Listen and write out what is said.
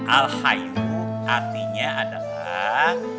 alhayu artinya adalah